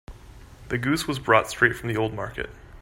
The goose was brought straight from the old market.